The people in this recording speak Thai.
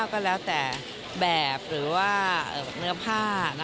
ก็แล้วแต่แบบหรือว่าเนื้อผ้า